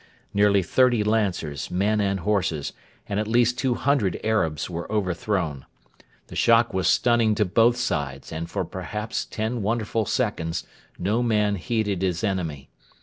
Nearly thirty Lancers, men and horses, and at least two hundred Arabs were overthrown. The shock was stunning to both sides, and for perhaps ten wonderful seconds no man heeded his enemy.